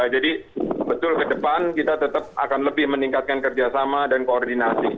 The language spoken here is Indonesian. jadi betul ke depan kita tetap akan lebih meningkatkan kerjasama dan koordinasi